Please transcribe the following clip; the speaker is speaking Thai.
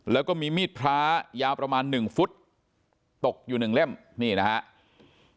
แล้วก็มีมีดพระยาวประมาณ๑ฟุตตกอยู่หนึ่งเล่มนี่นะครับ